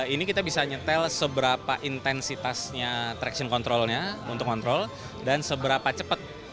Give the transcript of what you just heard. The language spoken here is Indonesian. ini kita bisa nyetel seberapa intensitasnya traction controlnya untuk kontrol dan seberapa cepat